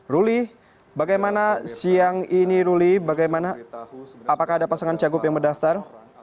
ruli bagaimana siang ini ruli apakah ada pasangan cagup yang mendaftar